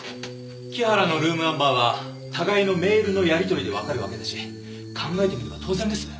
木原のルームナンバーは互いのメールのやり取りでわかるわけだし考えてみれば当然です。